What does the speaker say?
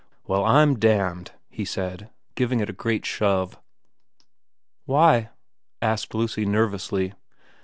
' Well I'm damned,' he said, giving it a great shove. ' Why ?' asked Lucy nervously.